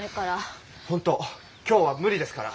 ほんと今日は無理ですから。